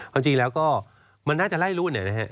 เอาจริงแล้วก็มันน่าจะไล่รุ้นเนี่ยนะฮะ